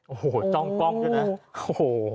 โอ้โหจ้องกล้องด้วยนะโอ้โห